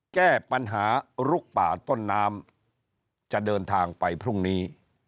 แก้ปัญหาลุกป่าต้นน้ำจะเดินทางไปพรุ่งนี้